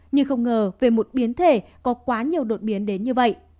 nhưng không ngờ về một biến thể có quá nhiều đột biến đến như vậy